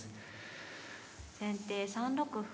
先手３六歩。